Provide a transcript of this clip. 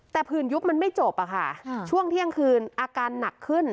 แต่ผื่นยุบมันไม่จบอะค่ะช่วงเที่ยงคืนอาการหนักขึ้น